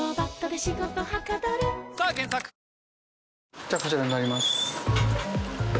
じゃあこちらになります。